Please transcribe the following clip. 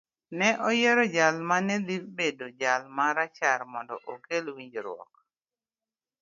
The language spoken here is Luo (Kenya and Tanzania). Ne oyiero jal ma ne dhi bedo jal ma rachar mondo okel winjruok.